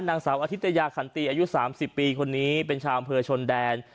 นางสาวอธิตยาขันตีอายุ๓๐ปีคนนี้เป็นชาวอำเภอชนแดน